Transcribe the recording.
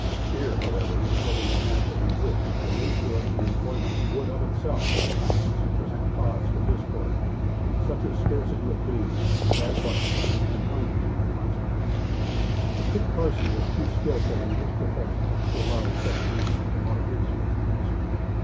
Here, however, was an example in which, the nature of the employment would of itself, at times, present cause for discord, such as scarcity of game, bad luck, and men hungry in consequence. But Kit Carson was too skillful in his profession to allow such reasons to mar his fortunes.